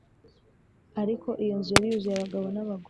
Ariko iyo nzu yari yuzuye abagabo n abagore